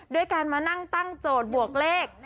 ด้วยการมานั่งตั้งโจทย์บวกเลข